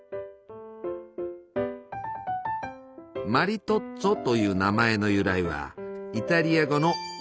「マリトッツォ」という名前の由来はイタリア語の「夫」